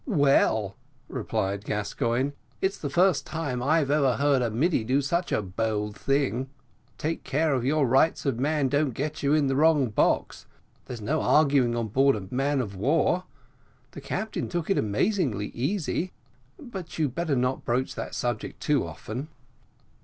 "Well," replied Gascoigne, "it's the first time I ever heard a middy do such a bold thing; take care your rights of man don't get you in the wrong box there's no arguing on board of a man of war. The captain took it amazingly easy, but you'd better not broach that subject too often."